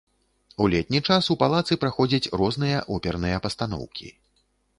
У летні час у палацы праходзяць розныя оперныя пастаноўкі.